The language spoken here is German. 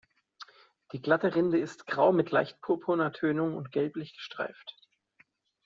Die glatte Rinde ist grau mit leicht purpurner Tönung und gelblich gestreift.